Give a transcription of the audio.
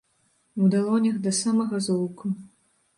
У далонях да самага золку.